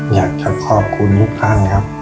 อยากจะขอบคุณทุกท่าน